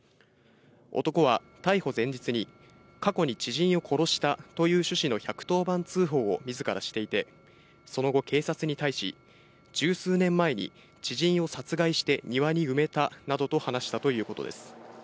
男は逮捕前日に、過去に知人を殺したという趣旨の１１０番通報をみずからしていて、その後、警察に対し、十数年前に知人を殺害して庭に埋めたなどと話したということです。